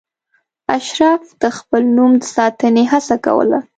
اشراف د خپل نوم د ساتنې هڅه کوله.